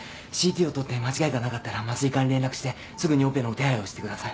ＣＴを撮って間違いがなかったら麻酔科に連絡してすぐにオペの手配をしてください。